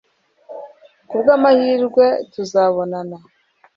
kubwamahirwe tuzabonana